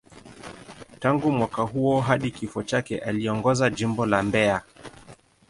Tangu mwaka huo hadi kifo chake, aliongoza Jimbo la Mbeya.